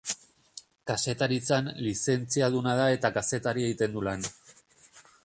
Kazetaritzan lizentziaduna da eta kazetari egiten du lan.